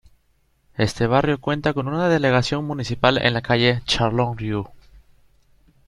Este barrio cuenta con una delegación municipal en la calle Charloun-Rieu.